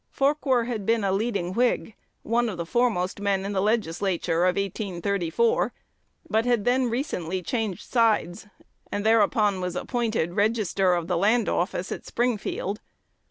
Forquer had been a leading Whig, one of their foremost men in the Legislature of 1834, but had then recently changed sides, and thereupon was appointed Register of the Land Office at Springfield.